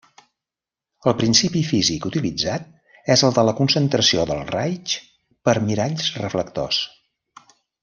El principi físic utilitzat és el de la concentració dels raigs per miralls reflectors.